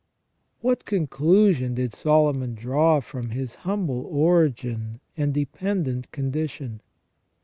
What conclusion did Solomon draw from his humble origin and dependent condition